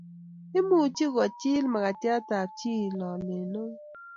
imuchi kochir makatekab chii lole neoo